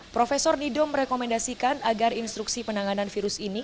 profesor nidom rekomendasikan agar instruksi penanganan virus ini